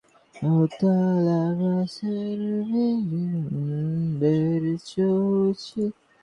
সেইজন্য দেখা যায়, পার্থিব জীবনে কেহ কেহ অন্যান্য ব্যক্তি অপেক্ষা মহত্তর ও পবিত্রতর।